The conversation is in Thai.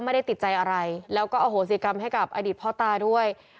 ไม่ได้ติดใจอะไรแล้วก็อโหสิกรรมให้กับอดีตพ่อตาด้วย